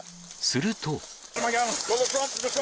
すると。